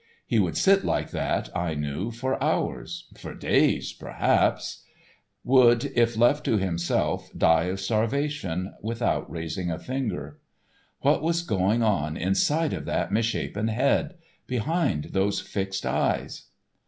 He would sit like that, I knew, for hours—for days, perhaps—would, if left to himself, die of starvation, without raising a finger. What was going on inside of that misshapen head—behind those fixed eyes?